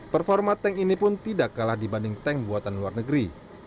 performa tank ini pun tidak kalah dibanding tank buatan luar negeri